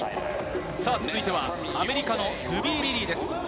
続いてはアメリカのルビー・リリーです。